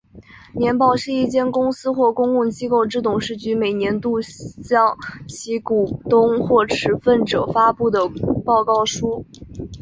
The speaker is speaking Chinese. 年报是一间公司或公共机构之董事局每年度向其股东或持份者发布的报告书。